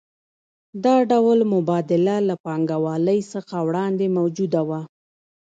دا ډول مبادله له پانګوالۍ څخه وړاندې موجوده وه